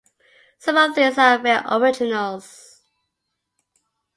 Some of these are rare originals.